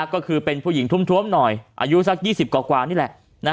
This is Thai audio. ก็คือเป็นผู้หญิงทุ่มหน่อยอายุสัก๒๐กว่านี่แหละ